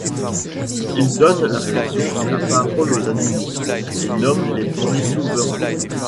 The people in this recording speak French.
Il donne la raison et la parole aux animaux, et nomme les premiers souverains.